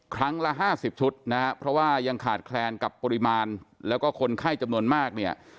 ครั้งละ๕๐ชุดนะฮะเพราะว่ายังขาดแคลนกับปริมาณแล้วก็คนไข้จำนวนมากเนี่ย